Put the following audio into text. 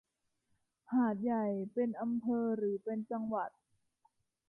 หาดใหญ่เป็นอำเภอหรือเป็นจังหวัด